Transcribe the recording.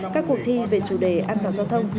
các cuộc thi về chủ đề an toàn giao thông